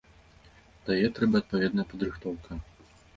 Да яе трэба адпаведная падрыхтоўка.